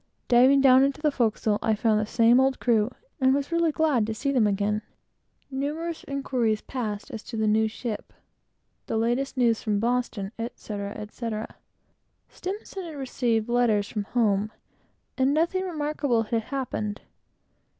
Diving down into the forecastle, I found the same old crew, and was really glad to see them again. Numerous inquiries passed as to the new ship, the latest news from Boston, etc., etc. S had received letters from home, and nothing remarkable had happened.